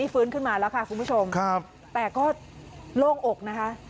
ฟื้นขึ้นมาแล้วค่ะคุณผู้ชมครับแต่ก็โล่งอกนะคะ